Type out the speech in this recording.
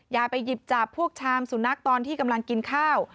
ยายไปหยิบจับพวกชามสุนัขตอนที่กำลังกินข้าว